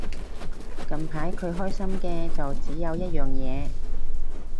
近排佢關心嘅就只有一樣嘢